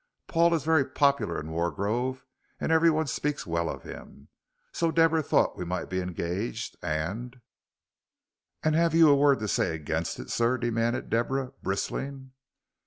Paul is very popular in Wargrove, and everyone speaks well of him. So Deborah thought we might be engaged, and " "And have you a word to say against it, sir?" demanded Deborah, bristling.